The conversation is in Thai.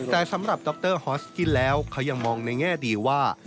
แต่สำหรับดรฮอสกิ้นแล้วเขายังมองในแง่ดีว่า